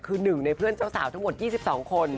คือหนึ่งในเพื่อนเจ้าสาวทั้งหมด๒๒คน